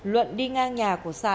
luận đi ngang nhà của sạ